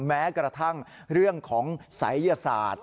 แม้กระทั่งเรื่องของศัยยศาสตร์